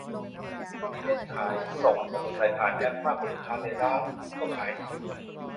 ช่วงนี้เน้นขายส่งมอไซค์ผ่านแอพ มากกว่าลูกค้าในร้าน ก็ขายดีอยู